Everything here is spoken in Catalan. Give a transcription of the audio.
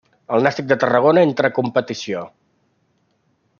El Nàstic de Tarragona entre en competició.